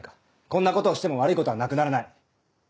こんなことをしても悪いことはなくならない。